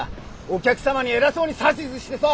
お客様に偉そうに指図してさ。